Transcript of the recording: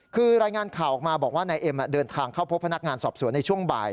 คือรายงานข่าวออกมาบอกว่านายเอ็มเดินทางเข้าพบพนักงานสอบสวนในช่วงบ่าย